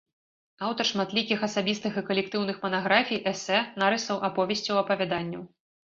Аўтар шматлікіх асабістых і калектыўных манаграфій, эсэ, нарысаў, аповесцяў, апавяданняў.